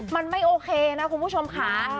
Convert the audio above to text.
มันไม่โอเคนะคุณผู้ชมค่ะ